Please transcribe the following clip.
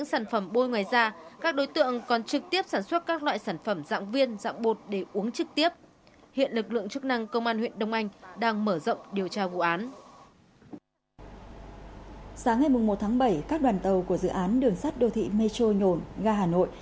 sáng ngày một tháng bảy các đoàn tàu của dự án đường sắt đô thị metro nhổn ga hà nội